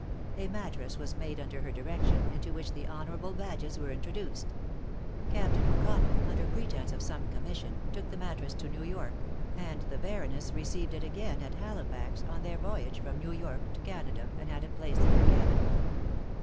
A mattress was made under her direction, into which the honorable badges were introduced. Captain O'Connel, under pretence of some commission, took the mattress to New York; and the Baroness received it again at Halifax, on their voyage from New York to Canada, and had it placed in her cabin.